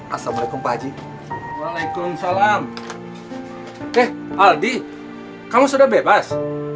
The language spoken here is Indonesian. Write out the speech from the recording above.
assalamualaikum pak haji waalaikumsalam deh aldi kamu sudah bebas